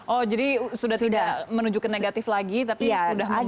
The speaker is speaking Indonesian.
oh jadi sudah tidak menunjukkan negatif lagi tapi sudah membaik